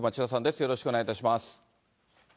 よろしくお願いします。